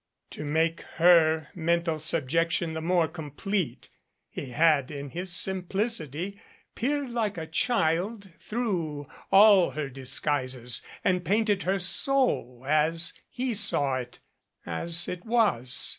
To make her men ,tal subjection the more complete, he had in his simplicity peered like a child through all her disguises and painted her soul as he saw it as it was.